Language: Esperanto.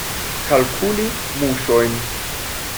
Kalkuli muŝojn.